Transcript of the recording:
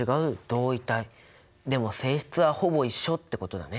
でも性質はほぼ一緒ってことだね。